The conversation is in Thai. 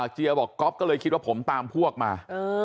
บอกก๊อฟก็เลยคิดว่าผมตามพวกมา